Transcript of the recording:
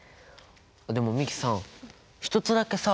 でも美樹さん１つだけさ